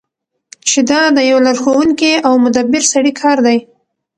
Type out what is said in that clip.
چی دا د یو لارښوونکی او مدبر سړی کار دی.